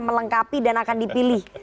melengkapi dan akan dipilih